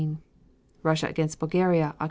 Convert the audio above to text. Russia against Bulgaria, Oct.